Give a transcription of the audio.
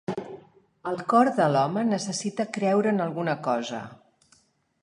El cor de l'home necessita creure en alguna cosa.